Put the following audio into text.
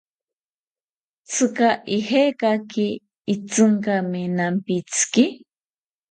¿Tzika ijekaki itzinkami nampitziki?